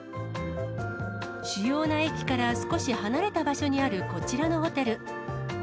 主要な駅から少し離れた場所にあるこちらのホテル。